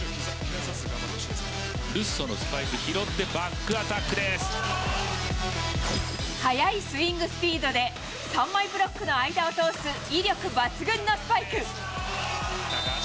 スパイク拾って、バックアタ速いスイングスピードで、３枚ブロックの間を通す威力抜群のスパイク。